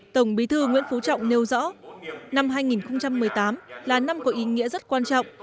tổng bí thư nguyễn phú trọng nêu rõ năm hai nghìn một mươi tám là năm có ý nghĩa rất quan trọng